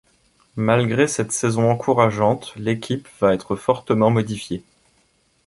Malgré cette saison encourageante, l'équipe va être fortement modifiée.